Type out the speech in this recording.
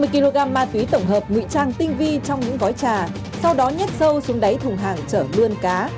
năm mươi kg ma túy tổng hợp ngụy trang tinh vi trong những gói trà sau đó nhét sâu xuống đáy thùng hàng chở lươn cá